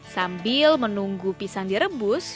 sambil menunggu pisang direbus